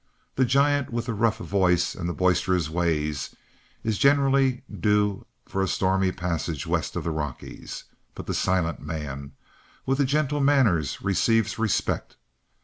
The giant with the rough voice and the boisterous ways is generally due for a stormy passage west of the Rockies; but the silent man with the gentle manners receives respect.